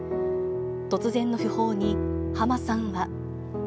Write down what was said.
突然の訃報に、浜さんは。